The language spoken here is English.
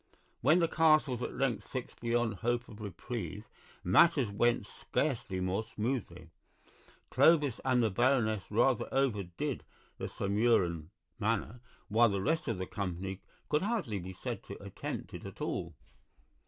When the cast was at length fixed beyond hope of reprieve matters went scarcely more smoothly. Clovis and the Baroness rather overdid the Sumurun manner, while the rest of the company could hardly be said to attempt it at all.